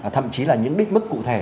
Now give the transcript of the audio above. thậm chí là những đích mức cụ thể